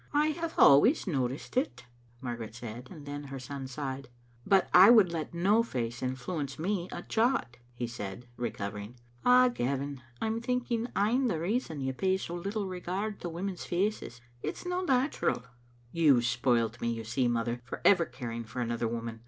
"I have always noticed it," Margaret said, and then her son sighed. " But I would let no face influence me a jot," he said, recovering. "Ah, Gavin, I'm thinking I'm the reason you pay so little regard to women's faces. It's no natural." You've spoilt me, you see, mother, for ever caring for another woman.